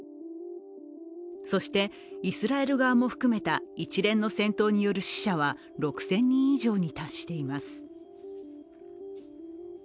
そして、イスラエル側も含めた一連の戦闘による死者は６０００人以上に達しています。